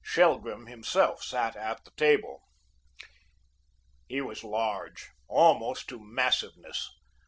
Shelgrim himself sat at the table. He was large, almost to massiveness.